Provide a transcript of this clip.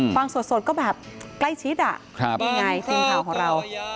ฟังสดก็แบบใกล้ชิดอ่ะนี่ไงทีมข่าวของเรา